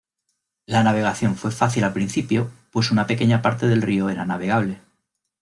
La navegación fue fácil al principio, pues una pequeña parte del río era navegable.